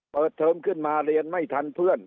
เทอมขึ้นมาเรียนไม่ทันเพื่อน